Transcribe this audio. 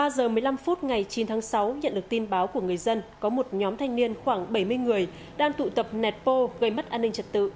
ba giờ một mươi năm phút ngày chín tháng sáu nhận được tin báo của người dân có một nhóm thanh niên khoảng bảy mươi người đang tụ tập nẹt pô gây mất an ninh trật tự